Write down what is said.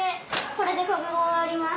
これで国語を終わります。